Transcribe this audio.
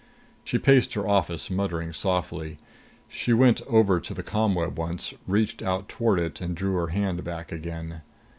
She paced her office, muttering softly. She went over to the ComWeb once, reached out toward it and drew her hand back again.